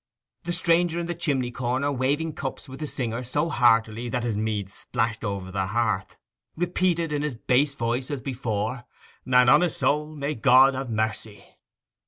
The stranger in the chimney corner, waving cups with the singer so heartily that his mead splashed over on the hearth, repeated in his bass voice as before: 'And on his soul may God ha' merc y!